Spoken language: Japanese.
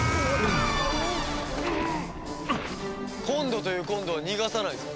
今度という今度は逃がさないぞ。